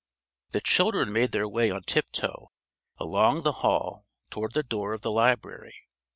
The children made their way on tiptoe along the hall toward the door of the library.